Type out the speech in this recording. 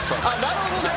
なるほどね。